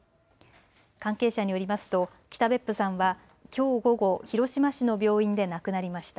関係者によりますと北別府さんはきょう午後、広島市の病院で亡くなりました。